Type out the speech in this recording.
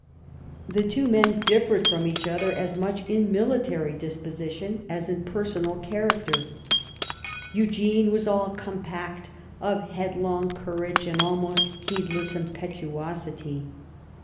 The two men differed from each other as much in military disposition as in personal character. Eugene was all compact of head long courage and almost heedless impetuosity.